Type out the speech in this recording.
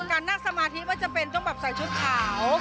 การนั่งสมาธิไม่จำเป็นต้องแบบใส่ชุดขาว